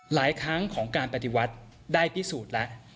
หลายครั้งของการปฏิวัติได้พิสูจน์แล้ว